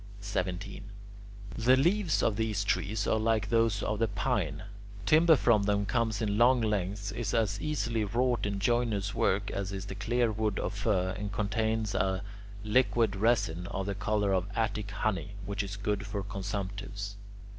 17. The leaves of these trees are like those of the pine; timber from them comes in long lengths, is as easily wrought in joiner's work as is the clearwood of fir, and contains a liquid resin, of the colour of Attic honey, which is good for consumptives.